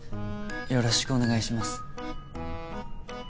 よろしくお願いします。